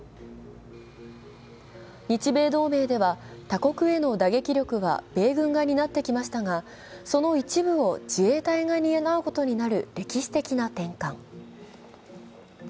日米同盟では他国への打撃力は米軍が担ってきましたが、その一部を自衛隊が担うことになる歴史的な転換。